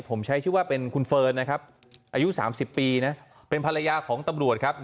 ผมใช้ชื่อว่าเป็นคุณเฟิร์นนะครับอายุ๓๐ปีนะเป็นภรรยาของตำรวจครับ